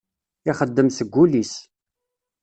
Ixeddem seg wul-is.